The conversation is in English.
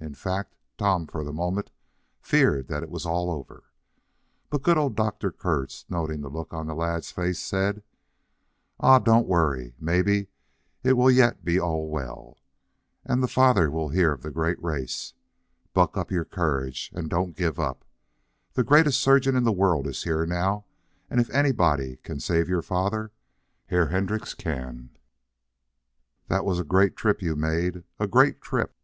In fact, Tom, for the moment, feared that it was all over. But good old Dr. Kurtz, noting the look on the lad's face, said: "Ach, Dom, doan't vorry! Maybe it vill yet all be vell, und der vater vill hear of der great race. Bluck up your courage, und doan't gif up. Der greatest surgeon in der vorld is here now, und if anybody gan safe your vater, Herr Hendriz gan. Dot vos a great drip you made a great drip!"